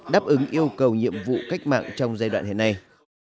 đáp ứng yêu cầu nhiệm vụ cách mạng trong giai đoạn hiện nay